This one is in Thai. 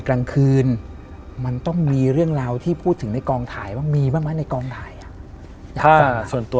โครงการก็ถามว่า